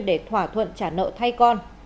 để thỏa thuận trả nợ thay con